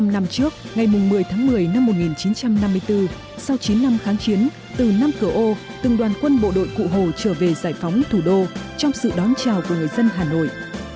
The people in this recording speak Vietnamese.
bảy mươi năm năm trước ngày một mươi tháng một mươi năm một nghìn chín trăm năm mươi bốn sau chín năm kháng chiến từ nam cửa ô từng đoàn quân bộ đội cụ hồ trở về giải phóng thủ đô trong sự đón chào của người dân hà nội